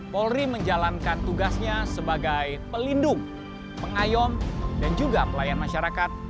polri menjalankan tugasnya sebagai pelindung pengayom dan juga pelayan masyarakat